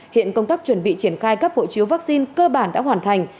hiện công tác chuẩn bị triển khai các hộ chiếu vaccine cơ bản đã hoàn thành